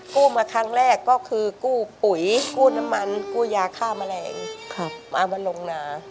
กู้มาครั้งแรกก็คือกู้ปุ๋ยกู้น้ำมันกู้ยาฆ่าแมลงมาลงนา